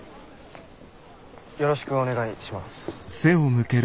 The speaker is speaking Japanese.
よろしくお願いします。